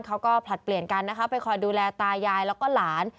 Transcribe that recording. ผลัดเปลี่ยนกันนะคะไปคอยดูแลตายายแล้วก็หลาน